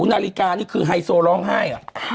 นาฬิกานี่คือไฮโซร้องไห้